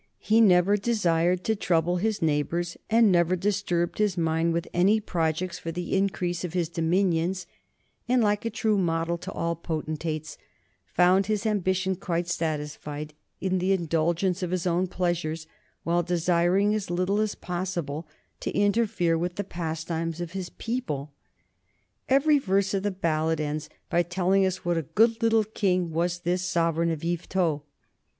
He never desired to trouble his neighbors, and never disturbed his mind with any projects for the increase of his dominions, and, like a true model to all potentates, found his ambition quite satisfied in the indulgence of his own pleasures while desiring as little as possible to interfere with the pastimes of his people. Every verse of the ballad ends by telling us what a good little king was this sovereign of Yvetot.